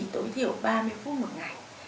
tối thiểu ba mươi phút một ngày